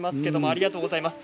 ありがとうございます。